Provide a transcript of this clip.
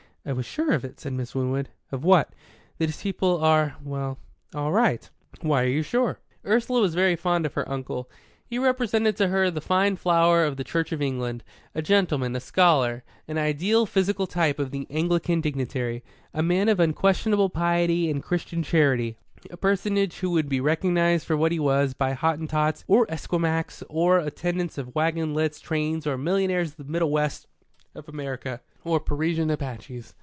"I was sure of it," said Miss Winwood. "Of what?" "That his people are well all right." "Why are you sure?" Ursula was very fond of her uncle. He represented to her the fine flower of the Church of England a gentleman, a scholar, an ideal physical type of the Anglican dignitary, a man of unquestionable piety and Christian charity, a personage who would be recognized for what he was by Hottentots or Esquimaux or attendants of wagon lits trains or millionaires of the Middle West of America or Parisian Apaches.